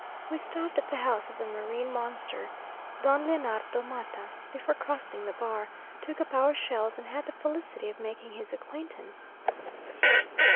We stopped at the house of the "Marine Monster," Don Leonardo Mata, before crossing the bar, took up our shells, and had the felicity of making his acquaintance.